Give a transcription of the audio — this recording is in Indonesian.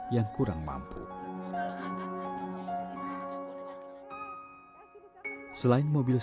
sekarang mereka tidak kira saya beliin